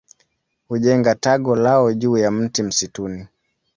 Hujenga tago lao juu ya mti msituni.